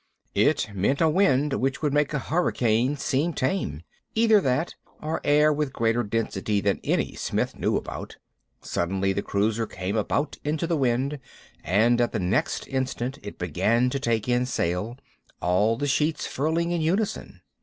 It meant a wind which would make a hurricane seem tame. Either that, or air with greater density than any Smith knew about. Suddenly the cruiser came about into the wind, and at the same instant it began to take in sail, all the sheets furling in unison.